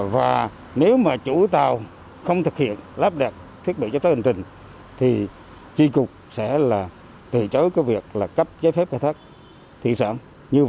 và nếu mà chủ tàu không thực hiện lắp đặt thiết bị giám sát hành trình